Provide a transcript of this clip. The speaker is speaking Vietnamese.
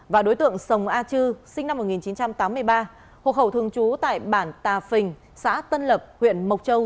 và đối tượng sông a chư sinh năm một nghìn chín trăm tám mươi ba hộ khẩu thường trú tại bản tà phình xã tân lập huyện mộc châu